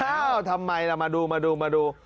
อ้าวทำไมล่ะมาดู